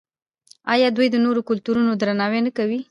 آیا دوی د نورو کلتورونو درناوی نه کوي؟